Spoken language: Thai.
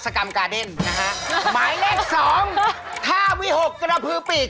ท่าวิหกกระพือปีก